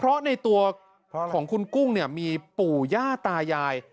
เพราะในตัวของคุณกุ้งเนี่ยมีปู่ย่าตายาย